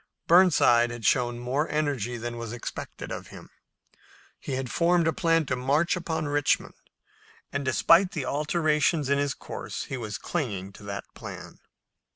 Burnside had shown more energy than was expected of him. He had formed a plan to march upon Richmond, and, despite the alterations in his course, he was clinging to that plan.